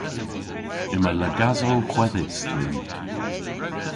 Yma lagasow hwedhys dhyn.